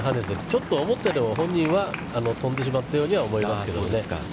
ちょっと思ったよりも本人は飛んでしまったようには思いますけどね。